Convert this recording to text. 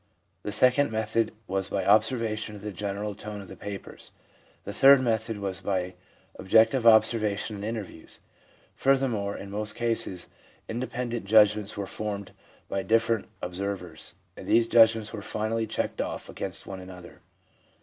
... The second method was by observation of the general tone of the papers. ... The third method was by objective observation and interviews. ... Further more, in most cases, independent judgments were formed by different observers, and these judgments were finally checked off against one another.